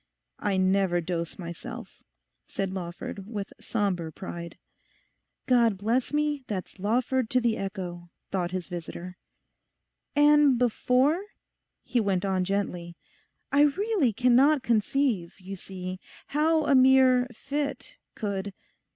'I never dose myself,' said Lawford, with sombre pride. 'God bless me, that's Lawford to the echo,' thought his visitor. 'And before—?' he went on gently; 'I really cannot conceive, you see, how a mere fit could...